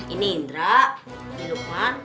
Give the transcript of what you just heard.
ini indra ini lukman